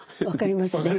分かります？